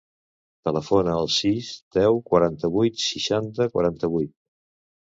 Telefona al sis, deu, quaranta-vuit, seixanta, quaranta-vuit.